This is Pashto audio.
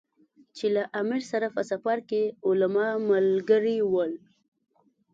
چې له امیر سره په سفر کې علما ملګري ول.